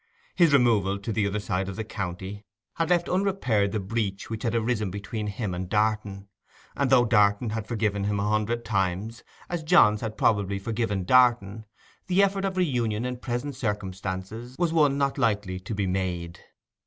His removal to the other side of the county had left unrepaired the breach which had arisen between him and Darton; and though Darton had forgiven him a hundred times, as Johns had probably forgiven Darton, the effort of reunion in present circumstances was one not likely to be made.